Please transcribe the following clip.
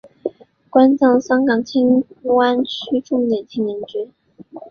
现教香港荃湾区重点青年军。